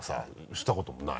したこともない？